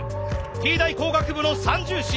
Ｔ大工学部の三銃士。